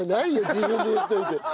自分で言っといて。